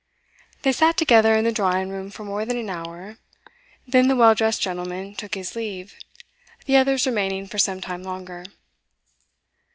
They sat together in the drawing room for more than an hour; then the well dressed gentleman took his leave, the others remaining for some time longer.